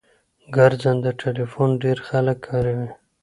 ګرځنده ټلیفون ډیر خلګ کاروي